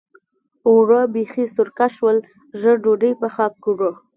اوړه بېخي سرکه شول؛ ژر ډودۍ پخه کړه.